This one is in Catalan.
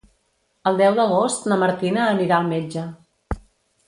El deu d'agost na Martina anirà al metge.